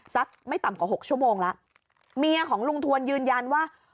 สักไม่ต่ำกว่าหกชั่วโมงแล้วเมียของลุงทวนยืนยันว่า